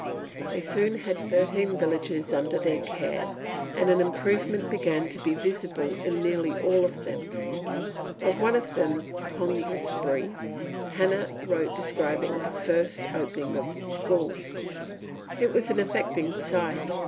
They soon had thirteen villages under their care, and an improvement began to be visible in nearly all of them. Of one of them, Congresbury, Hannah wrote describing the first opening of the school: "It was an affecting sight.